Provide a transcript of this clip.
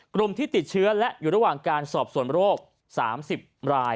กลุ่มที่ติดเชื้อและอยู่ระหว่างการสอบส่วนโรค๓๐ราย